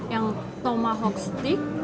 yang tomahawk steak